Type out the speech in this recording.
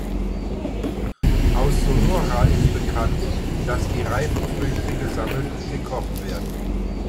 Aus Sonora ist bekannt, dass die reifen Früchte gesammelt und gekocht werden.